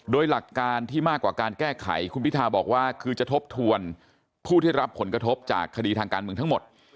โดยหลักการที่มากกว่าการแก้ไขคุณพิทาบอกว่าคือจะทบทวนผู้ที่รับผลกระทบจากคดีทางการเมืองทั้งหมด